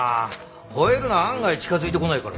ほえるのは案外近づいてこないからさ。